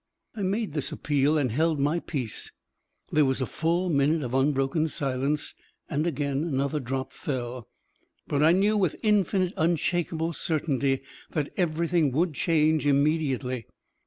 I made this appeal and held my peace. There was a full minute of unbroken silence and again another drop fell, but I knew with infinite unshakable certainty that everything would change immediately.